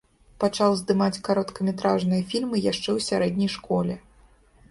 Пачаў здымаць кароткаметражныя фільмы яшчэ ў сярэдняй школе.